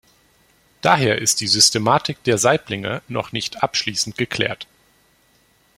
Daher ist die Systematik der Saiblinge noch nicht abschließend geklärt.